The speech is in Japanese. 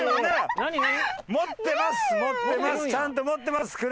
持ってます